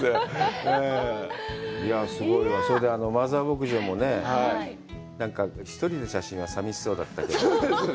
それで、マザー牧場がね、１人の写真は寂しそうだったけど。